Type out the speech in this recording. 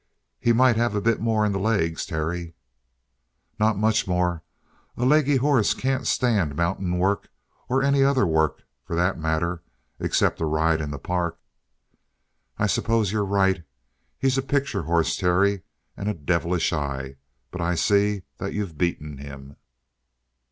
"He might have a bit more in the legs, Terry." "Not much more. A leggy horse can't stand mountain work or any other work, for that matter, except a ride in the park." "I suppose you're right. He's a picture horse, Terry. And a devilish eye, but I see that you've beaten him."